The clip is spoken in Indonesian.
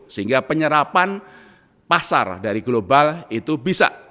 sehingga penyerapan pasar dari global itu bisa